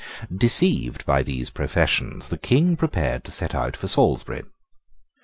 Deceived by these professions, the King prepared to set out for Salisbury.